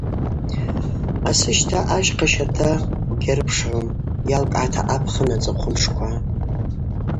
Асыщта ащхъа щарда угьарыпшгӏум, йалкӏгӏата апхын ацӏыхъва мшква.